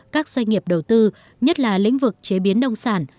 các doanh nghiệp đầu tư nhất là lĩnh vực chế biến nông sản